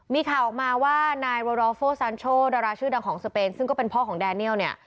มีข่าวออกมาว่านายวารอโฟซานโชดาราชื่อดังของสเปนซึ่งก็เป็นพ่อของแดเนียลเนี่ย